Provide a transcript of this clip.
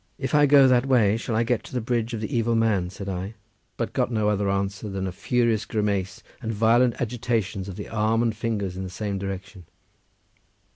"If I go that way shall I get to the bridge of the evil man?" said I; but got no other answer than a furious grimace and violent agitations of the arm and fingers in the same direction.